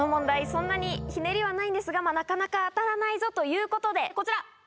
そんなにひねりはないんですがなかなか当たらないぞということでこちら。